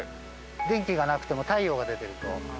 電気がなくても太陽が出てると。